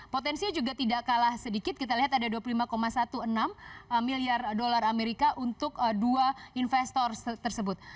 potensinya juga tidak kalah sedikit kita lihat ada dua puluh lima enam belas miliar dolar amerika untuk dua investor tersebut